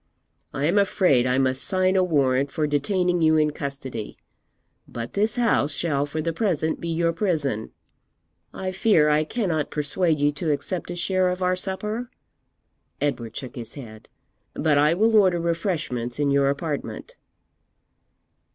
I am afraid I must sign a warrant for detaining you in custody, but this house shall for the present be your prison. I fear I cannot persuade you to accept a share of our supper? (Edward shook his head) but I will order refreshments in your apartment.'